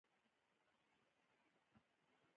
لمبیږي؟